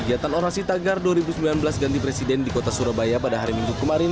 kegiatan orasi tagar dua ribu sembilan belas ganti presiden di kota surabaya pada hari minggu kemarin